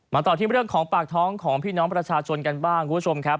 ต่อที่เรื่องของปากท้องของพี่น้องประชาชนกันบ้างคุณผู้ชมครับ